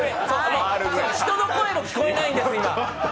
人の声も聞こえないんです、今。